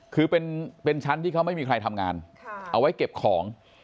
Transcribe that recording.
คือเป็นชั้นที่เขาไม่มีใครทำงานเอาไว้เก็บของ